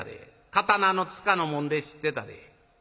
刀のつかの紋で知ってたで。